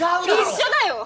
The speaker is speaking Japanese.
一緒だよ！